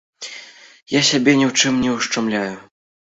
Я сябе ні ў чым не ўшчамляю.